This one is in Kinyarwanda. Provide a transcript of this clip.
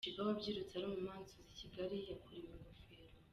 Sheebah wabyirutse ari umumansuzi i Kigali yakuriwe ingofero.